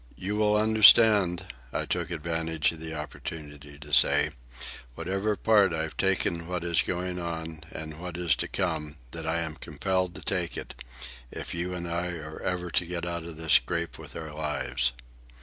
"You will understand," I took advantage of the opportunity to say, "whatever part I take in what is going on and what is to come, that I am compelled to take it—if you and I are ever to get out of this scrape with our lives."